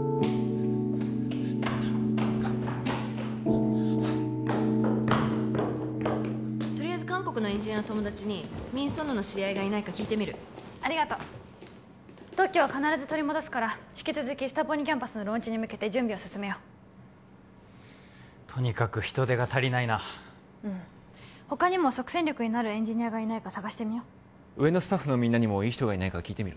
いやとりあえず韓国のエンジニアの友達にミン・ソヌの知り合いがいないか聞いてみるありがとう特許は必ず取り戻すから引き続きスタポニキャンパスのローンチに向けて準備を進めようとにかく人手が足りないなうん他にも即戦力になるエンジニアがいないか探してみよう上のスタッフのみんなにもいい人がいないか聞いてみる